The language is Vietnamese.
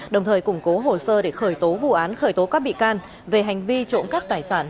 đồng thời củng cố hồ sơ để khởi tố vụ án khởi tố các bị can về hành vi trộm cắp tài sản